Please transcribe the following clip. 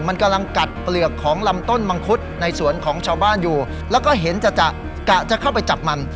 มันกำลังกัดเปลือกของลำต้นมังคุดในสวนของชาวบ้านอยู่แล้วก็เห็นจะจะกะจะเข้าไปจับมัน